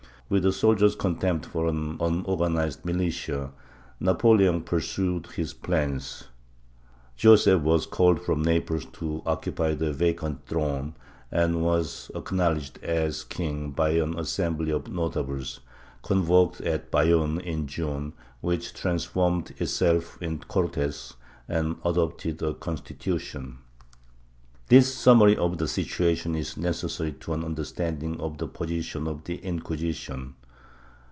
With a soldier's contempt for an unorganized militia, Napoleon pursued his plans. Joseph was called from Naples to occupy the vacant throne and was acknowledged as king by an Assembly of Notables, 400 DECADENCE AND EXTINCTION [Book IX convoked at Bayonne in June, which transformed itself into Cortes and adopted a Constitution, This summary of the situation is necessary to an understanding of the position of the Inquisition.